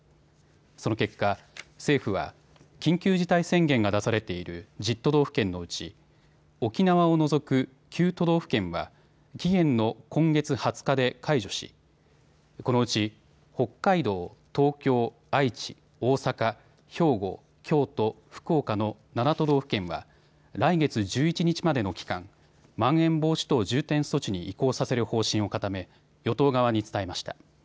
その結果、政府は緊急事態宣言が出されている１０都道府県のうち沖縄を除く９都道府県は期限の今月２０日で解除しこのうち北海道、東京、愛知、大阪、兵庫、京都、福岡の７都道府県は来月１１日までの期間、まん延防止等重点措置に移行させる方針を固め与党側に伝えました。